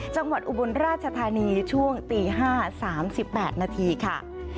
อุบลราชธานีช่วงตี๕๓๘นาทีค่ะ